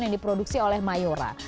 yang diproduksi oleh mayora